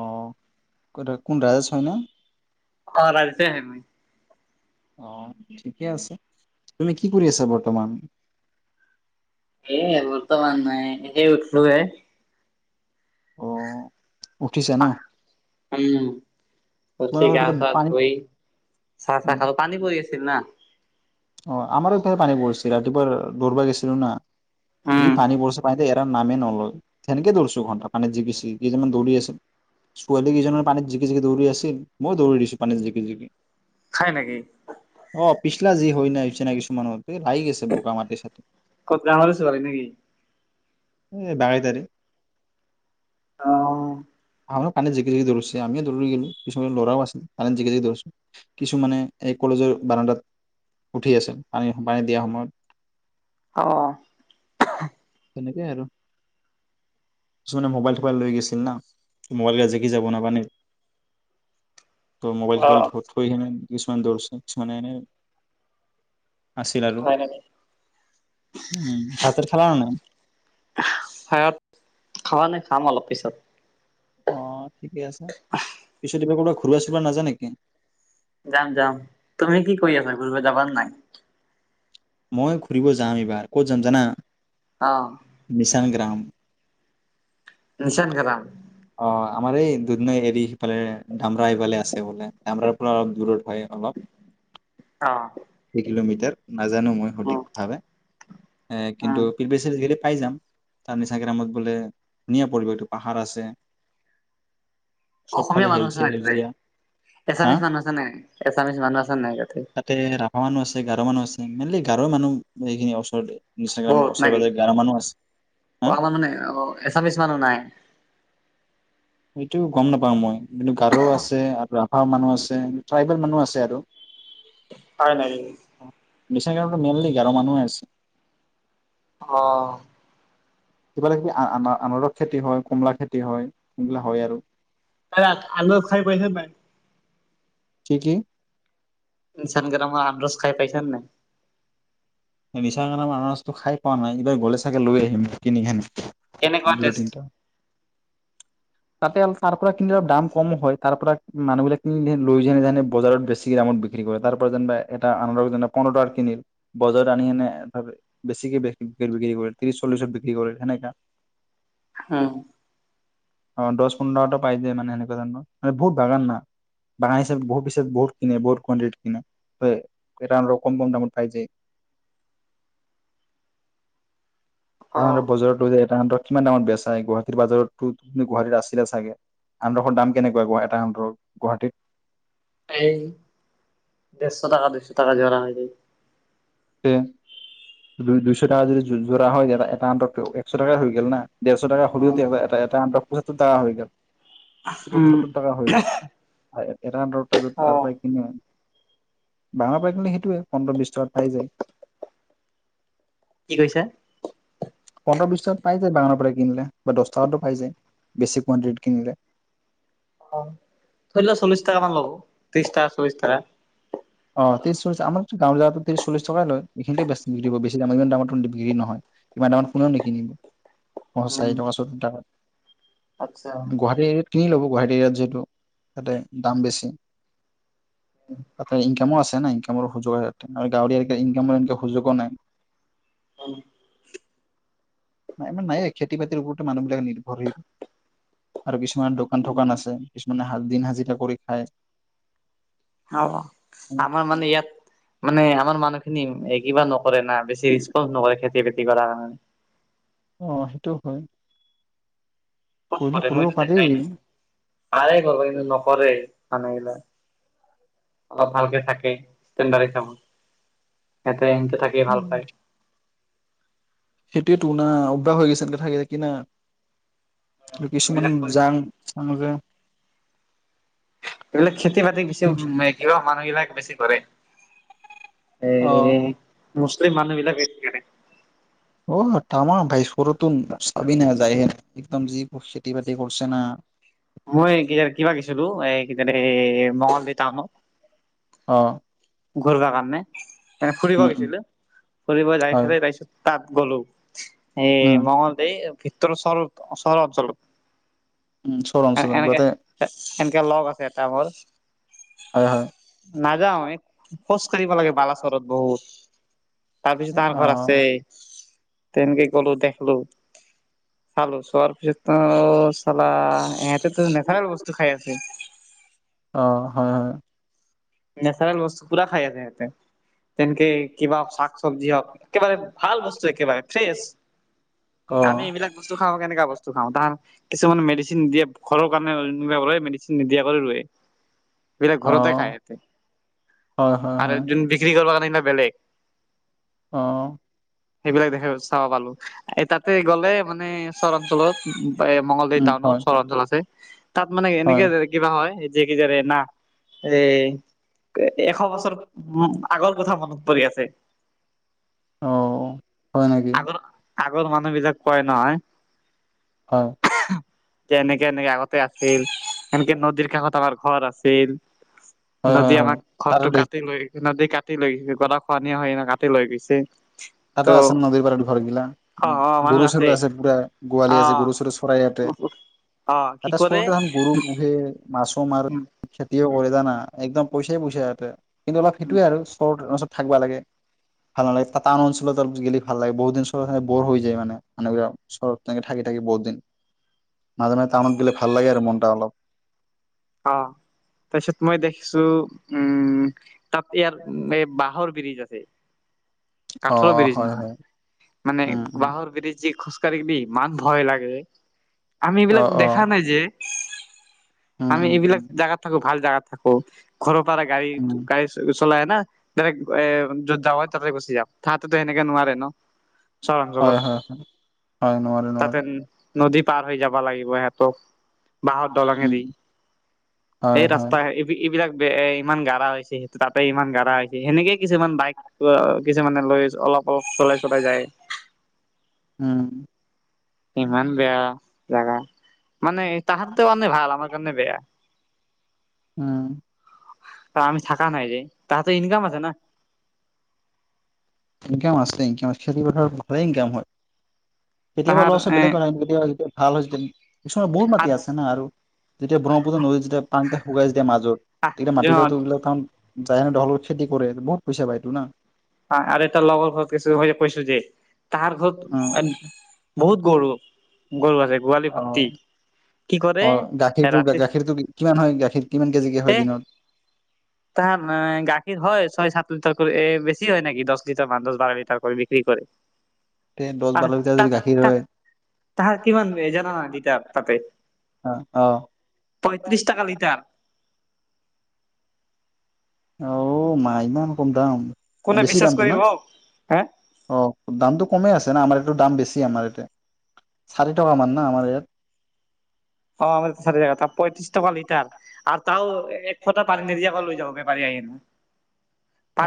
অ কোন ৰাজেশ হয় ন অ ৰাজেশ হে মই অ ঠিকে আছে তুমি কি কৰি আছা বৰ্তমান এই বৰ্তমান নাই সেই উঠলো হে অ উঠিছা ন উম উঠি তোমালোকৰ গা ফালে চা পানী ধুই চাহ তাহ খালোঁ পানী পৰি আছিল না অ আমাৰোফালে পানী পৰিছিল ৰাতিপুৱা দৌৰবা গৈছিলো না ই উম পানী পৰিছে পাইে দে ইয়াত। তাৰ নামেই নলয় সনেকে দৌৰিছো ঘণ্টা পানত জিকি কেইজনমান দৌৰি আছিল ছোৱালী কেইজনৰ পানীত জিকি জিকি দৌৰি আছিল মইো দৌৰি দিছোঁ পানীত জিকি জিকি। খাই নেকি অ পিছলা যি। হয় না ইি ছে কিছুমানত। ত সা ই গৈছে বোকা মাটিৰ চাট। ক'ত গাঁৱৰে ছোৱালী নেকি [unintelligible] টাৰে [unintelligible] অ অ। আমাৰো কানে জিকে জিকি দৌৰিছে আমিও দৌৰি গলোঁ কিছুমান ল'ৰাও আছিল কানণে জিকে জিকি দৌৰিছোঁ কিছুমানে এই কলেজৰ বানণ্ডাত উঠি আছিল পানী পানী দিয়া সময়ত। [unintelligible] অ। [unintelligible] তেনেকেই আৰু। কিছুমানে মোবাইল থোবাইল লৈ গৈছিল না মোবাইলকে জেগি যাব নাপানে। [unintelligible] ত মোবাইল অ চোবাইল থৈ মানে। [unintelligible] কিছুমান দৌৰছে ছ নাইনে। আছিল আৰু হয় নেকি উ ভাৰতৰ খেলা মানো। খাৱা নাই খাম অলপ পিছত। অ ঠিকে আছে পিছত কিবা ক'ৰবাত ঘূৰবা চুৰবা নাযা নেকি। [unintelligible] যাম যাম তুমি কি কৰি আছা ঘুৰিব যাবা নাই। মই ঘুৰিব যাম এইবাৰ ক'ত যাম জানা। অ। সং গ্ৰাম। নিচানিকাদাম। অ আমাৰ এই দুন এৰি সফালে ডামৰা ইফালে আছে বোলে ডামৰাৰ পৰা অলপ দূৰৰ। হয় অলপ অ দু ই কিলোমিটাৰঁ। নাজানো মই উম সঠিকভাৱে কিন্তু উম পিবেচি। খাই যাম তাৰ নিচাগেৰাামত গলে ধুনীয়া পৰিব এইটো পাহাৰ আছে। চবফালে অসমীয়া মানুহ আছে সেউজীয়া নাই তাতে সেউজীয়া হা এছামিছ মানুহ আছে নে এছামিছ মানুহ আছে নাই ততে। গাৰু মানুহ আছি। মলি গাঁৱৰ মানুহ এইখিনি ওচৰতে। নিচাগ্ৰামৰ বহুত ওচৰে নাকি পাজৰে গাৰো মানুহ আছে প হা মানে অ এছামিচ মানুহ নাই। সেইটো গম নাপাওঁ মই। কিন্তু গাৰু আছে আৰু আ ঘৰ মানুহ আছে ট্ৰাইবেল মানুহ আছে আৰু। হয় নেকি। বিশ্বাগো মেইনলি গাৰু মানুহে আছে। [unintelligible] আহ। কিবা লাগলে আ আনাৰস খেতি হয় কমলা খেতি হয়। সেইবিলা হয় আৰু। ত আল খাই পাইছে ন ভাই। কি কি! ইঞ্চানগৰা ম আনৰচ খাই পাইছ ন নাই। [unintelligible] মিছা কাৰণে ম মসছটো খাই পোৱা নাই এইবাৰ গ'লে চাগে লৈ আহিম কিনিখনে। [unintelligible] কেনেকুৱা টেষ্ট? তাতে তাৰ পৰা কিনিলে দাম কম হয়। তাৰ পৰা মানুহ বিলাক কিনি লৈ যায় যে বজাৰত বেছি দামত বিক্ৰী কৰে। তাৰ পৰা যেনিবা এটা আম যেনিবা পোন্ধৰ টকাত কিনিল। বজাৰত আনি সেনে বেছিকে বিক্ৰী কৰি ত্ৰিছ চল্লিছত বিক্ৰী কৰিলে সেনেকা। হুম। অ দছ, পোন্ধৰতো পাই যায় মানে সেনেকুৱা ধৰণৰ। মানে বহুত বাগান না। বাগান হিচাপ বহুত পিচ বহুত কিনে বহুত কণ্টিটিত কিনে। এ কম কম দামত পাই যায়। অ বজাৰতো যে [unintelligible] কিমান দামত বেচাই গুৱাহাটীৰ বজাৰতো। তুমি গুৱাহাটীত আছিলা চাগে। আনৰসৰ দাম কেনেকুৱা এটাৰ গুৱাহাটীত? এই ডেৰছ টকা, দুইছ টকা জৰা হৈ যায়। দু দুইছ টকা যদি জোৰা হয় তেতি এটা অন্তত এক ছ টকা হৈ গল না দেৰছ টকা হ'লেও উম তেতি এটা আন্ত পইচাৰ তাৰ হৈ গ'ল। উম। সত্তৰ টকা হৈ গ'ল এটা আনৰসত ত তাৰপিছত পৰাই কিনে। ডাঙৰ পাই কিন্তু সেইটোৱে পোন্ধৰ, বিছ টকাত পাই যায়। কি কৈছা? পোন্ধৰ বিছ টকাত পাই যায় বাগানৰ পৰা কিনিলে বা দছ টকাটো পাই যায় বেছি কোৱণ্টিটিত কিনিলে। অ' ধৰি লোৱা চল্লিছ টকা মান ল'ব, ত্ৰিছ টকা চল্লিছ টাকা। অ ত্ৰিছ, চল্লিছ আমাৰটো গাঁও জাগাতটো ত্ৰিছ, চল্লিছ টকাই লয়। এইখিনতে বেছ বিক্ৰী দ বেছি দাম [unintelligible] ইমান দামতো বিক্ৰী নহয় ইমান দামত কোনেও নিকিনিব পঞ্চশ চাৰি উম। টকা চৈত্তৰ টকা। আচ্ছা। গুৱাহাটী এত কিনি ল'ব। গুৱাহাটী ইয়াত যিহেতু তাতে দাম বেছি। হয়, ইনকামো আছে না ইনকামৰ সুযোগতে গাঁৱৰি ইনকামৰ এনে সুযোগো নাই। ইমান নায়ে খেতি বাতিৰ ওপৰতে মানুহবিলাক নিৰ্ভৰশীল আৰু কিছুমান দোকান-থোকান আছে কিছুমানে হাজ দিন হাজিৰা কৰি খায়। অ আমাৰ মানে ইয়াত মানে আমাৰ মানুহখিনি এ কিবা ন কৰে না বেছি ৰিছপন্ নকৰে খেতিৰ খেতি কৰা হয়। অ সেইটোও হয়। কু কৰিলে কৰে কৰিব মইটো পাৰি দেখাই নাই। পাৰে কৰিব কিন্তু নক কৰে। মানুহবিলাক অলপ ভালকে থাকে, ষ্টাইল মাৰে তাহুন। সেনকে থাকিয়ে ভাল উম, পায়। সেইটো টো না। অভ্যাস হৈ গৈছে এনকে থাকি থাকি না। কিছুমান এইবিলাক কৰে যাং চাং যে এইবিলাক খেতি- বাতি বেছিভাগ মাইকীভাগ মানুহবিলাকে বেছি কৰে। অ [unintelligible] মুছলিম মানুহ বিলাক [unintelligible] অ, তামাম ভাই। স্কুলতটো চলি নাযাইয়ে। একদম যি খেতি-বাতি কৰছে না মই কেতিয়া গৈছিলো এ' মঙলদৈ টাউনত। অঁ। ঘূৰি কাৰণে। এ' ফুৰিব উম গৈছিলো। ফুৰিব যাই হয় পেলাই, তাৰ পিছত -। তা'ত গলো। এই উম মঙলদৈ-। ভিতৰৰ ওচৰত চহৰ উম চৰ অঞ্চলত-। এ' অঞ্চলত এনেকে, গোটেই এনেকে লগ আছে। এটা মোৰ- হয় নাযাওঁ হয় এ-। খোজ কাঢ়িব লাগে, বালাচৰত বহুত। তাৰপিছত অ', তাৰ ঘৰ আছে। তেনেকে গলো, দেখলো, চালো, চোৱাৰ পিছতো চা'লা ইহঁতে তো নেচাৰেল বস্তু খাই আছে। অঁ, হয়, হয়। নেচাৰেল বস্ত। কুকুৰা খাই আছে সিহঁতে। তেনেকে কিবা শাক, চবজি হওক একেবাৰে ভাল বস্তু একেবাৰে ফ্ৰেছ। আমি অ', এইবিলাক বস্তু খাওঁ, কেনেকুৱা বস্তু খাওঁ তাৰ-। কিছুমান মেডিচিন দিয়ে। ঘৰ কাৰণে মেডেচিন। নিদিয়া। বিলাক ঘৰতে অ', খায়। হয়, হয়, আৰু হয়, যোনে বিক্ৰী কৰে-। বেলেগ। অঁহ। সেইবিলাক দেখা, চাব পালো। এই তাতে গ'লে মানে চৰণ-। [unintelligible] এ' মঙলদৈ'ত উম, টাউনত হয়, চৰা তল আছে? তা'ত মানে এনেকে হয়। কিবা হয়-। যে কি জাৰে না। এ' এশ বছৰ আগৰ কথা মনত পৰি আছে। অঁ হয় নেকি। আগৰ আগৰ মানুহবিলাক কয় নহয়। অ। যে এনেকে এনেকে আগতে আছিল, এনেকে নদীৰ কাষত আমাৰ ঘৰ আছিল। হয়, নদী হয়, হয়। আমাক আৰু ঘৰটো দে কাটি লৈ নদীক কাটি লৈ গৈছে। গৰা-খহনীয়া হয় না, কাটি লৈ গৈছে। তাতে ত' আছে ন' নদীৰ পাৰতো ঘৰগিলা? অ অ মানুহ গৰু-চৰু আছে পুৰা, গোহালি অ আছে, গৰু-চৰু চৰাই ইয়াতে। অ কি তাতে চ কৰে [unintelligible] তে হেন গৰু পোহে, মাছো মাৰ, উম খেতিও কৰে। জানা, একদম পইচাই পইচা ইয়াতে। কিন্তু অলপ উম সেইটোৱে আৰু চ থাকিবা লাগে। ভাল নালাগে তাত টাউন অঞ্চলত আৰু গেলি ভাল লাগে। বহুত দিন চহৰখন বৰ হৈ যায় মানে মানুহবিলাক। চহৰ তেনেকে থাকি থাকি বহু দিন, মাজে মাজে টাউনত গেলে ভাল লাগে আৰু মনটা অলপ। অ' তাৰপিছত মই দেখিছোঁ উম। তাত ইয়াৰ এই বাঁহৰ ব্ৰিজ আছে। অ কাঠৰৰ ব্ৰিজ হয় নহয়, হয় মানে উম উম বাঁহৰ ব্ৰীজ যি খ কাঢ়িবি ইমান ভয় লাগে। আমি অ এইবিলাক অ দেখা নাই যে। উম আমি উম এইবিলাক উম জাগাত থাকোঁ, ভাল জাগা থাকোঁ। ঘৰৰ পৰা গাড়ী উম টো- গাড়ী চলাই না? দাইৰেক এ- য'ত যাৱা হয়, তাতে গুচি যাওঁ। তাহাৰ তাতেটো সেনকে নোৱাৰে ন'? চৰ অঞ্চলত হয় - হয়। হয়, নোৱাৰে - তাতে নোৱাৰে। নদী পাৰ হৈ যাবা লাগিব সেহঁতক। বাঁহৰ উম দলঙেদি। হয় এই হয় ৰাস্তা এ এইবিলাক বে- ইমান গাঢ়া হৈছে। সেইটো তাতে ইমান গাঢ়া হৈছে। সেনেকেই কিছুমান বাইক অ'- কিছুমানে লৈ অলপ - অলপ চলাই - চলাই যায়। উম। ইমান বেয়া জাগা। মানে তাহাতৰ কাৰণে ভাল, আমাৰ কাৰণে বেয়া। উম। কাম থাকা নাই ৰে। তাহাতে ইনকাম আছে না। ইনকাম আছে। খেতি পথাৰত ভালে ইনকাম হয়। কেতিয়াবা তাহাৰ অলপ ওচৰত এ বেলেগ [unintelligible] যেতিয়া ভাল হয় যেতিয়া, ওচৰত বহুত মাটি আছে না আৰু। যেতিয়া ব্ৰহ্মপুত্ৰ নদীত যেতিয়া পানীটা শুকাই যেতিয়া মাজত, তেতিয়া মাটিগিলাক তো বিলাক টান যাৰ [unintelligible] লগত খেতি কৰে, বহুত পইচা পায় টো না। আৰু এটা লগৰ ঘৰত কিছু মই কৈছোঁ যে তাহাৰ ঘৰত উম বহুত গৰু গৰু আছে। গোহালি অ ভত্তি। অ' গাখীৰটো- গাখীৰটো কিমান হয়, গাখীৰ কিমান কেজিকে হয় এ দিনত? এ ছাত্ৰ ঠাকুৰ এ বেছ হয় নেকি দশ লিটাৰ মান দহ বাৰ লিটাৰ কৰি বিক্ৰী কৰে তে দহ [unintelligible] আৰ বাৰ লিটাৰ যদি তাত গাখীৰ তাত হয় তাহাৰ কিমান জানানা লিটাৰ তাতে অ অ পয়ত্ৰিশ টকা লিটাৰ অৱ মাহ ইমান কম দাম কোনে বেছি বিশ্বাস দামটো না কৰিব হে অ দামটো কমে আছে না আমাৰ দাম বেছি আমাৰ ইয়াতে ষাঠিটাকা মান আমাৰ ইয়াত [unintelligible] অ আমাৰ চাতী থাকা তাত পঁয়ত্ৰিশ [unintelligible] টকা লিটাৰ আৰু তাৱ এক ফটা পাৰি নিদ আকৌ লৈ যাব প পাৰি আহে নো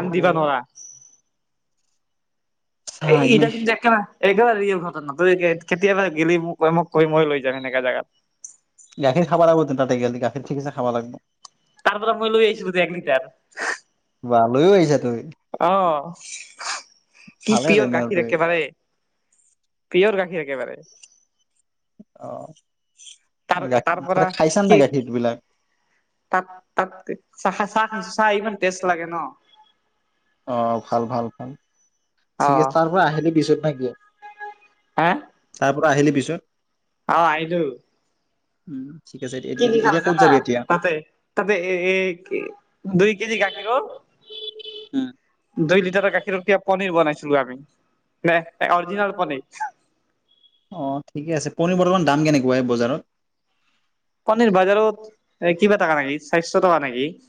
অ দিবা নোৱাৰা চা এই ইমে ইটা চোন জেকেৰা একৰা ৰি আখন [unintelligible] নাতৈ কেতিয়াবা গেলি মোক কৈ মোক কৈ মই লৈ যাগ সেনেকা জেগাত [unintelligible] গাখীৰ খাব লাগিব তিনিটাতে গেলে গাখীৰ ঠিকছে খাব লাগিব তাৰ পৰা মই লৈ আহছিলো দে এক লিটাৰ [unintelligible] বা লৈয়ো আহিছা তুমি অ কি ভালে পিয়ৰ গাখীৰ তেনেহ'লে একেবাৰে পিয়ৰ গাখীৰ একেবাৰে অ তাৰ গাখীৰ তাৰ পৰা তাতে খাইছা কি নাই গাখীৰ বিলাক তাত তাত চাহ চাহ খাইছো চাহ ইমান টেষ্ট লাগে ন ভাল ভাল অ ঠিক আছে অ তাৰ পৰা আহিলে বিচত ন কিয় এহ তাৰ পৰা আহিলি পিছত অ আহিদূহ [unintelligible] উম ঠিক আছে কিজি চাল এতিয়া জা ক'ত যাবি এতিয়া? তাতে তাতে দুই কেজি গাখীৰৰ [unintelligible] হম দুই লিটাৰ গাখীৰকীয়া পনীৰ বনাইছিলো আমি নাই নাই জিহৰ পনী [unintelligible] অঁ ঠিকে আছে পনীৰ বৰ্তমান দাম কেনেকুৱা হে বজাৰত [unintelligible] পনীৰ বজাৰত এ কিবা থকা নেকি স্বাস্থ্য থকা নেকি [unintelligible]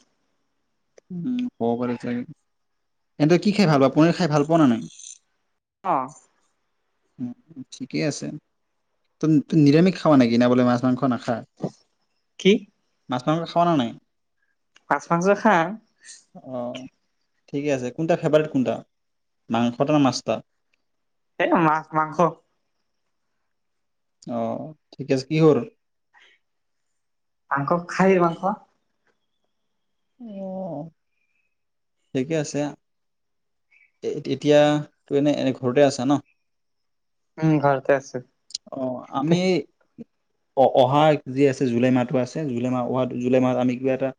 উ ক'ব পাৰে চাগে এন্ত তই কি খাই ভাল পোৱা পনীৰ খাই ভাল পোৱা নে নাই [unintelligible] অ উ ঠিকেই আছে ত নিৰামিষ খাবা নেকি ন বোলে মাছ মাংস মাছ মাংস নাখায় কি তামোল খাবা নে নাই পাঁচ পাঁচয়ে খা [unintelligible] অ ঠিকে আছে কোনটা ফেভাৰেট কোনটা মাংসটা নে মাছটা এ মাছ মাংস আহ ঠিক আছে কি হৰ মাংস খাহি মাংস [unintelligible] অহ ঠিকে আছে এ এতিয়া তোৰ এনেই ঘৰতে আছা ন উম ঘৰতে আছো অ আমি এই অ অহা যি আছে জুলাই মাহটো আছে জুলাই মাহ অহা জুলাই মাহত আমি কিবা এটা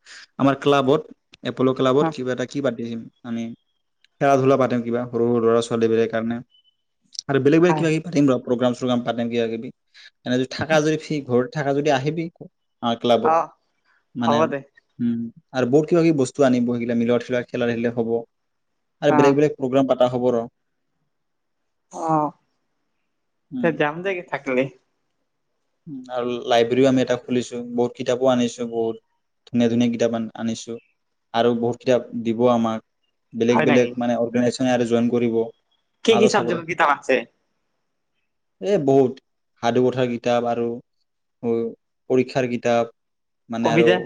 আমাৰ ক্লাবত [unintelligible] এপল্ ক্লাবত কিবা এটা কি বাদ্য [unintelligible] কৰিম আমি খেলা ধূলা পাতিম কিবা সৰু সৰু ল'ৰা ছোৱালীবিলাক কাৰণে [unintelligible] আৰু বেলেগ বেলেগ খাই কিবা কিবি পাতিম ৰ প্ৰগ্ৰাম চগ্ৰাম পাতিম কিবা কিবি এনে যদি থাকা যদি ফ্ৰী ঘৰত [unintelligible] থাকা যদি আহিবি অ ক্লাবত মানে হ'ব দে উম আৰু বহুত কিবা কিবি বস্তু আনিব সেইগিলা মিলত খেলা গেলে হ'ব [unintelligible] আৰু অ বেলেগ বেলেগ প্ৰগ্ৰাম এটা হ'ব ৰ অহ উম যাম দেই থাকিলে আৰু লাইব্ৰেৰীও আমি এটা খুলিছো বহুত কিতাপো আনিছো বহুত ধুনীয়া ধুনীয়া কিতাপ আনিছো আৰু বহুত কিতাপ দিব আমাক [unintelligible] বেলেগ হয় নেকি বেলেগ মানে অৰগনাইজ জইন কৰিব কি সাধু কি চাপৰত ছাবজেক্টৰ কিতাপ আছে এ বহুত সাধু কথাৰ কি কিতাপ আৰু পৰীক্ষাৰ কিতাপ মানে আৰু কবিতা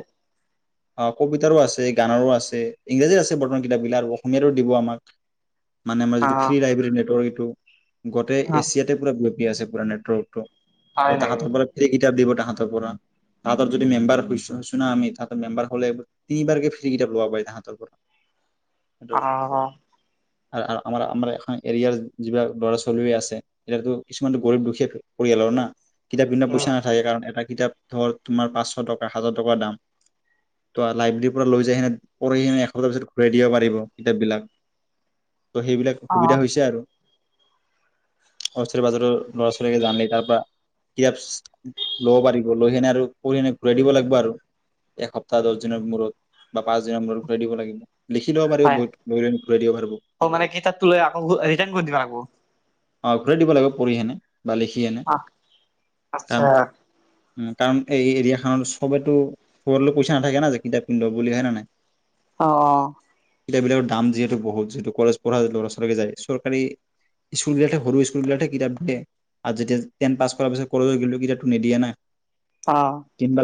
অ কবিতাৰো আছে গানৰো আছে ইংৰাজী আছে বৰ্তমান কিতাপবিলাক আৰু অসমীয়াৰো দিব আমাক [unintelligible] মানে আমাৰ অ যিটো ফ্ৰী লাইব্ৰৰী নেটৱৰ্ক এইটো গোটেই অ এছিয়াতে পুৰা [unintelligible] কি আছে পোৰা নেট্ৰ সূত্ৰ হয় নেকি? তাহাঁত সকলে ফ্ৰী কিতাপ দিব তাহ পৰা তাহঁতৰ যদি মেম্বাৰছ হৈছো না আমি মেম্বাৰ হলে তিনিবাৰকে ফ্ৰি কিতাপ লব পাৰি তাহাঁতৰ পৰা সিহঁতৰ পৰা অ আমাৰ আমাৰ এখন এৰিয়াৰ যিবিলাক ল'ৰা ছোৱালী আছে এতিয়াতো কিছুমানটো গৰীব দুখীয়া পৰিয়ালৰ না কিতাপ কিনিব উম পইচা নাথাকে কাৰণ এটা কিতাপ ধৰ তোমাৰ পাঁচশ টকা হাজাৰ টকা দাম ত লাইব্ৰেৰীৰ পৰা লৈ যাই সেনে পঢ়ি পিছত ঘূৰাই দিব পাৰিব কিতাপবিলাক ত' সেইবিলাক অ সুবিধা হৈছে আৰু ওচৰ পাজৰৰ ল'ৰা ছোৱালীকে জানিলে তাৰ পৰা কিতাপ লব পাৰিব লৈহেনে আৰু পঢ়ি এনে ঘূৰাই দিব লাগিব আৰু দহ দিনৰ মূৰত বা পাঁচ দিনৰ মূৰত ঘুৰাই দিব লাগিব লিখি ল'ব পাৰিব হয় বহুত লৈ লৈ ঘূৰাই দিব পাৰিব মানে কিতাপ টো লৈ আকৌ ৰিতাৰ্ণ কৰি দিবা আকৌ অ ঘুৰাই দিব লাগিব পঢ়িহেনে পালেহিয়ে নে আহ অ আচ্ছা উ কাৰণ এই এৰিয়া খত চবেটো পইচা নাথাকে না যে কিতাপ কিনিব বুলি হয় নে নাই অ অ সেই বিলাকৰ দাম যিহেতু বহুত যিহেতু কলেজ পঢ়া ল'ৰা ছোৱালী যায় চৰকাৰী স্কুলবিলাকে সৰু স্কুলবিলাকহে কিতাপ দিয়ে আৰু যেতিয়া টেন পাছ কৰাৰ পিছত কলেজ গ'লেও কিতাপটো নিদিয়ে না অ কিনিবা